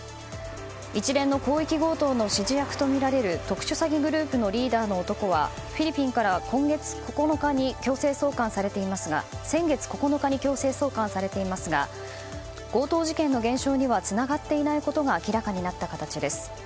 一連の広域強盗の指示役とみられる特殊詐欺グループのリーダーの男はフィリピンから先月９日に強制送還されていますが強盗事件の減少にはつながっていないことが明らかになった形です。